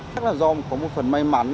chắc là do có một phần may mắn